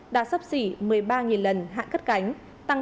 đã sắp xỉ một mươi ba lần hạng cất cánh tăng ba mươi chín